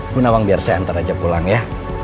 bu nawang biar saya hantar aja pulang ya